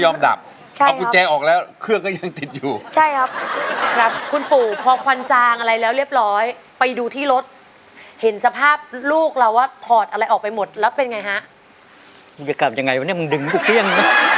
มึงจะกลับยังไงวะเนี่ยมึงดึงกูเครี่ยง